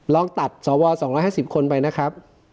ลองตัดสวสองร้อยห้าสิบคนไปนะครับ